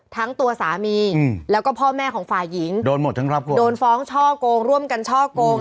ทั้งตัวสามีแล้วก็พ่อแม่ของฝ่ายหญิงโดนฟ้องช่อกงร่วมกันช่อกง